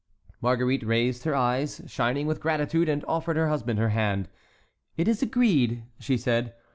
Marguerite raised her eyes, shining with gratitude, and offered her husband her hand. "It is agreed," she said.